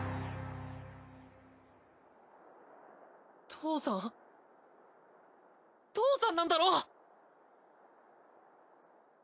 父さん父さんなんだろ！？